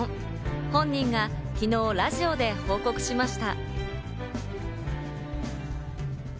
本人が昨日、ラジオで報告しました。